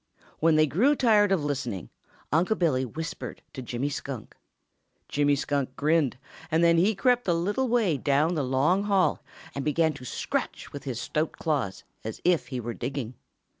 When they grew tired of listening, Unc' Billy whispered to Jimmy Skunk. Jimmy Skunk grinned, and then he crept a little way down the long hall and began to scratch with his stout claws, as if he were digging.